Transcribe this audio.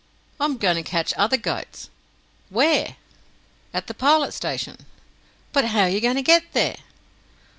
"I am going to catch other goats." "Where?" "At the Pilot Station." "But how are you going to get there?"